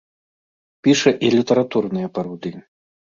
Піша і літаратурныя пародыі.